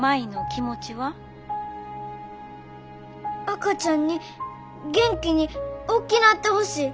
赤ちゃんに元気におっきなってほしい。